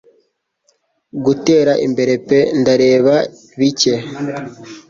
Gutera imbere pe ndareba bike